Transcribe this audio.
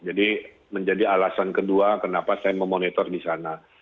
jadi menjadi alasan kedua kenapa saya memonitor di sana